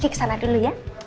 kiki kesana dulu ya